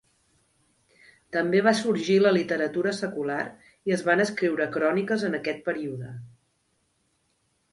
També va sorgir la literatura secular i es van escriure cròniques en aquest període.